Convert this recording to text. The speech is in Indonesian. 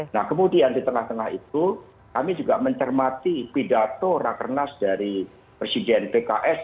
nah kemudian di tengah tengah itu kami juga mencermati pidato rakernas dari presiden pks